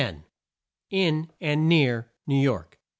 IN AND NEAR NEW YORK.